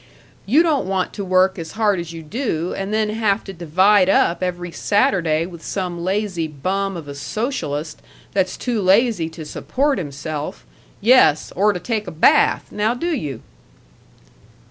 You don't want to work as hard as you do and then have to divide up every Saturday with some lazy bum of a socialist that's too lazy to support himself yes, or to take a bath! now do you?"